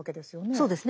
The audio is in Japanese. そうですね。